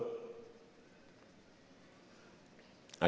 saya sampai ke sekolah